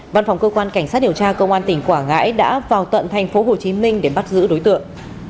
văn phòng cơ quan cảnh sát điều tra công an tỉnh quảng ngãi đã vào tận thành phố hồ chí minh để bắt giữ đối tượng